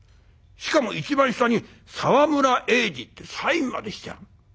しかも一番下に「沢村栄治」ってサインまでしてある。